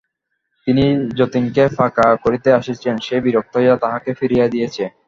তিনি যতীনকে পাখা করিতে আসিয়াছেন, সে বিরক্ত হইয়া তাঁহাকে ফিরাইয়া দিয়াছে।